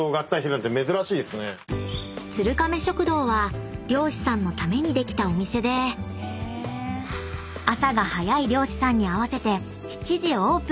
［鶴亀食堂は漁師さんのためにできたお店で朝が早い漁師さんに合わせて］